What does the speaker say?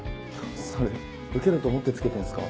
それウケると思って着けてんすか？